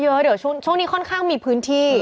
เดี๋ยวช่วงนี้ค่อนข้างมีพื้นที่